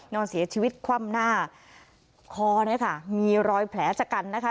นอนเสียชีวิตคว่ำหน้าคอเนี่ยค่ะมีรอยแผลชะกันนะคะ